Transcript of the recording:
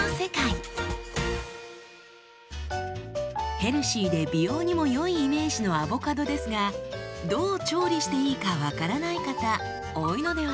ヘルシーで美容にも良いイメージのアボカドですがどう調理していいか分からない方多いのではないでしょうか？